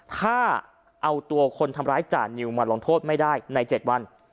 ถ้าเอาตัวคนทำร้ายจานิวมาลงโทษไม่ได้ใน๗วัน